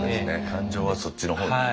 感情はそっちの方に。